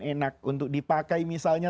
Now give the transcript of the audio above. enak untuk dipakai misalnya